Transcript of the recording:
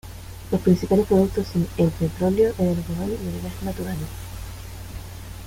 Los principales productos son el petróleo, el algodón y el gas natural.